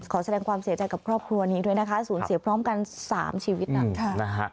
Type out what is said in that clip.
แสดงความเสียใจกับครอบครัวนี้ด้วยนะคะสูญเสียพร้อมกัน๓ชีวิตนะ